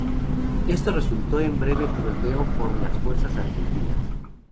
Esto resultó en un breve tiroteo con las fuerzas argentinas.